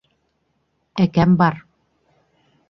— Әкәм бар.